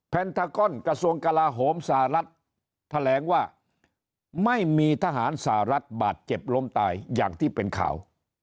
แนนทากอนกระทรวงกลาโหมสหรัฐแถลงว่าไม่มีทหารสหรัฐบาดเจ็บล้มตายอย่างที่เป็นข่าว